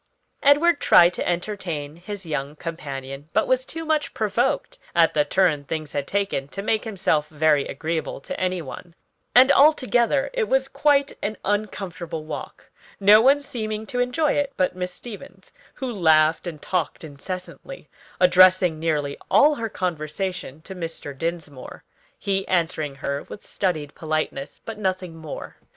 Edward tried to entertain his young companion, but was too much provoked at the turn things had taken to make himself very agreeable to any one; and altogether it was quite an uncomfortable walk: no one seeming to enjoy it but Miss Stevens, who laughed and talked incessantly; addressing nearly all her conversation to Mr. Dinsmore, he answering her with studied politeness, but nothing more.